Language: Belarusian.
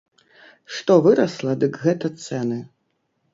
Што вырасла, дык гэта цэны.